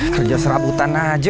kerja serabutan aja